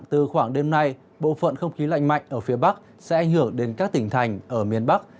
từ khoảng đêm nay bộ phận không khí lạnh mạnh ở phía bắc sẽ ảnh hưởng đến các tỉnh thành ở miền bắc